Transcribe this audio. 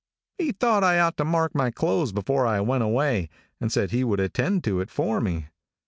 "He thought I ought to mark my clothes before I went away, and said he would attend to it for me.